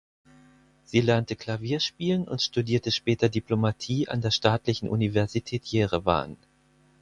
Sie lernte Klavier spielen und studierte später Diplomatie an der Staatlichen Universität Jerewan.